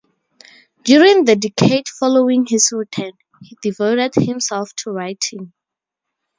During the decade following his return, he devoted himself to writing.